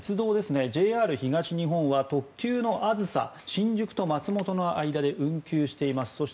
ＪＲ東日本は特急の「あずさ」が新宿と松本の間で運休しています。